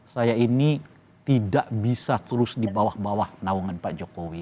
saya ini tidak bisa terus di bawah bawah naungan pak jokowi